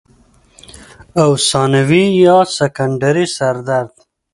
او ثانوي يا سيکنډري سردرد